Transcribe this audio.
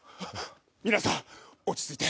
皆さん落ち着いて。